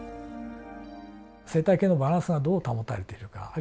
生態系のバランスがどう保たれているか。